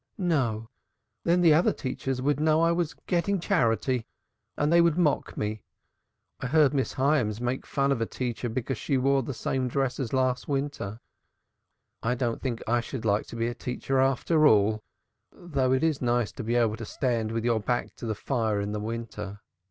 "No, then the other teachers would know I was getting charity! And they would mock at me. I heard Miss Hyams make fun of a teacher because she wore the same dress as last winter. I don't think I should like to be a teacher after all, though it is nice to be able to stand with your back to the fire in the winter.